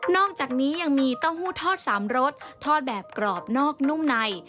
อกจากนี้ยังมีเต้าหู้ทอด๓รสทอดแบบกรอบนอกนุ่มใน